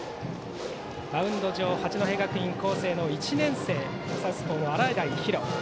マウンド上八戸学院光星の１年生サウスポーの洗平比呂。